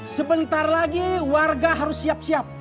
sebentar lagi warga harus siap siap